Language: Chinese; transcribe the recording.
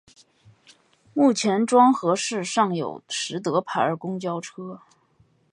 目前庄河市尚有实德牌公交车。